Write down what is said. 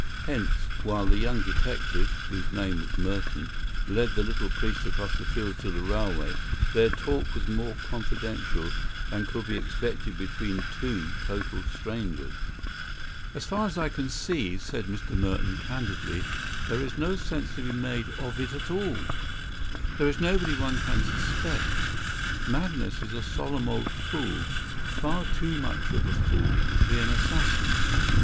Hence, while the young detective (whose name was Merton) led the little priest across the fields to the railway, their talk was more confidential than could be expected between two total strangers. "As far as I can see," said Mr. Merton candidly, "there is no sense to be made of it at all. There is nobody one can suspect. Magnus is a solemn old fool; far too much of a fool to be an assassin.